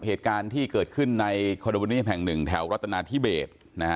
เหตุการณ์ที่เกิดขึ้นในคอนโดมิเนียมแห่งหนึ่งแถวรัฐนาธิเบสนะฮะ